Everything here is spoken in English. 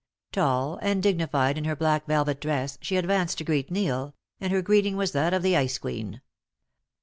Tall and dignified in her black velvet dress, she advanced to greet Neil, and her greeting was that of the Ice Queen.